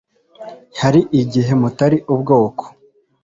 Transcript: Hari igihe mutari ubwoko